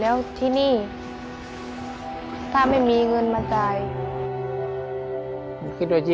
และกับผู้จัดการที่เขาเป็นดูเรียนหนังสือ